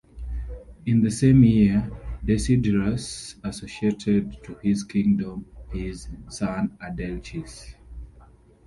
In the same year Desiderius associated to his kingdom his son Adelchis.